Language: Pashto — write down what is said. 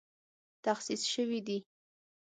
تخصیص شوې دي